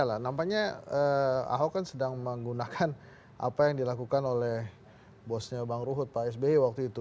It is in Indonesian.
nah nampaknya ahok kan sedang menggunakan apa yang dilakukan oleh bosnya bang ruhut pak sby waktu itu